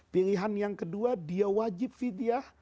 pilihan yang kedua dia wajib fidyah